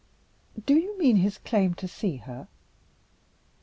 "Do you mean his claim to see her?"